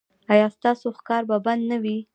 ایا ستاسو ښکار به بند نه وي؟